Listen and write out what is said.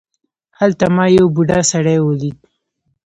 هلته ما یو بوډا سړی ولید.